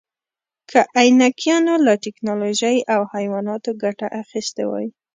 که اینکایانو له ټکنالوژۍ او حیواناتو ګټه اخیستې وای.